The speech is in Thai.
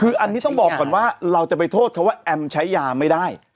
คืออันนี้ต้องบอกก่อนว่าเราจะไปโทษเขาว่าแอมใช้ยาไม่ได้